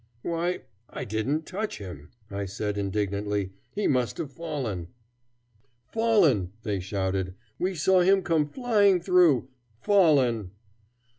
"Why, I didn't touch him," I said indignantly. "He must have fallen." "Fallen!" they shouted. "We saw him come flying through. Fallen!